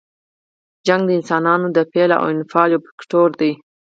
شخړه د انسانانو د فعل او انفعال یو فکتور دی.